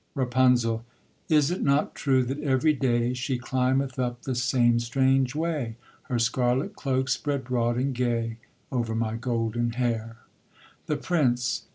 RAPUNZEL. Is it not true that every day She climbeth up the same strange way, Her scarlet cloak spread broad and gay, Over my golden hair? THE PRINCE.